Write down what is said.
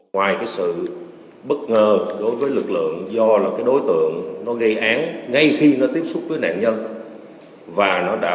ngoài sự bất ngờ đối với lực lượng do đối tượng gây án ngay khi nó tiếp xúc với nạn nhân và nó đã